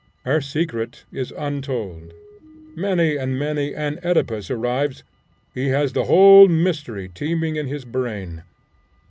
Her secret is untold. Many and many an Oedipus arrives; he has the whole mystery teeming in his brain.